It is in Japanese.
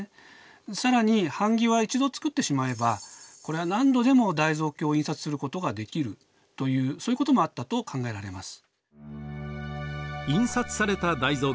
更に版木は一度作ってしまえばこれは何度でも大蔵経を印刷することができるというそういうこともあったと考えられます。